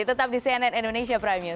tetap di cnn indonesia prime news